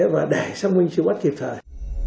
và để xác minh truy bắt kịp thời